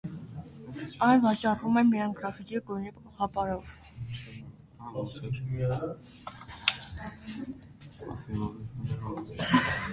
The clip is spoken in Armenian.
Այն վաճառվում է միայն գրաֆիտի գույն կաղապարով։